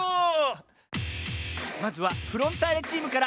まずはフロンターレチームから。